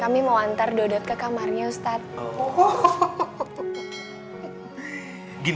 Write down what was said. kami mau antar dodot ke kamarnya ustadz